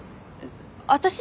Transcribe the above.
私？